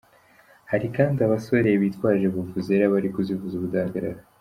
Hari kandi abasore bitwaje Vuvuzela bari kuzivuza ubudahagarara.